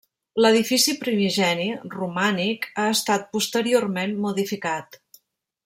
L'edifici primigeni, romànic, ha estat posteriorment modificat.